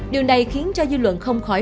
điều này khiến cho dư luận không khỏi